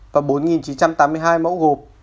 và bốn chín trăm tám mươi hai mẫu gộp